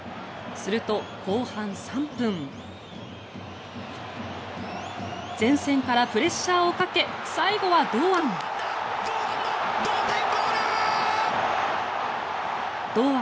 すると、後半３分前線からプレッシャーをかけ最後は堂安。